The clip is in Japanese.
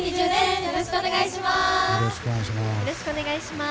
よろしくお願いします！